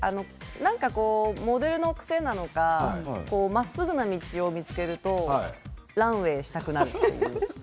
なんかモデルの癖なのかまっすぐな道を見つけるとランウエーしたくなるという。